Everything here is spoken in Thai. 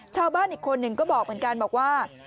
ชาวบ้านอีกคนหนึ่งก็บอกเหมือนกันบอกว่า